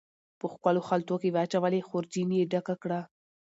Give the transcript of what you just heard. په ښکلو خلطو کې واچولې، خورجین یې ډکه کړه